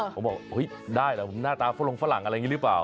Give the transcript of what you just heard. ผมบอกเฮ้ยได้เหรอผมหน้าตาฝรงฝรั่งอะไรอย่างนี้หรือเปล่า